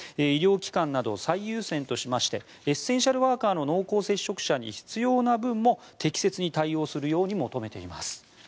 医療機関などを最優先としましてエッセンシャルワーカーの濃厚接触者に必要な分も適切に対応するように求めています。